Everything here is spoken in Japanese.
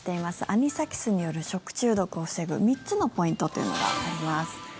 アニサキスによる食中毒を防ぐ３つのポイントというのがあります。